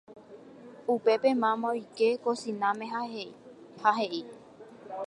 Upépe mama oike kosináme ha he'i